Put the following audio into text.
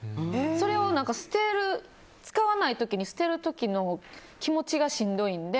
それを使わない時に捨てる時の気持ちがしんどいんで。